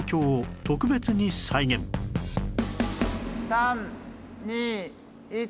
３２１。